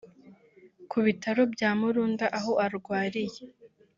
Ku bitaro bya Murunda aho arwariye